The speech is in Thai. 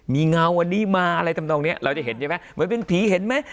มีเงาอันนี้มาอะไรทำนองเนี้ยเราจะเห็นใช่ไหมเหมือนเป็นผีเห็นไหม